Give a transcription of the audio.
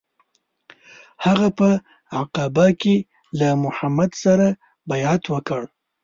هغه په عقبه کې له محمد سره بیعت وکړ.